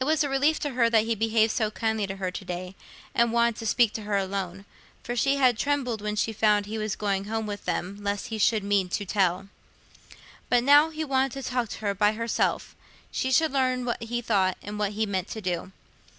It was a relief to her that he behaved so kindly to her to day, and wanted to speak to her alone; for she had trembled when she found he was going home with them lest he should mean "to tell." But, now he wanted to talk to her by herself, she should learn what he thought and what he meant to do.